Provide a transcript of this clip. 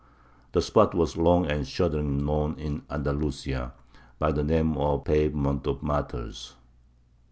The spot was long and shudderingly known in Andalusia by the name of the "Pavement of Martyrs."